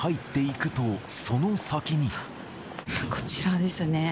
こちらですね。